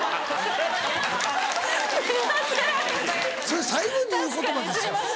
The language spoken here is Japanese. それ最後に言う言葉ですよ。